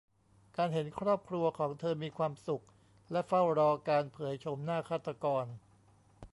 การเห็นครอบครัวของเธอมีความสุขและเฝ้ารอการเผยโฉมหน้าฆาตกร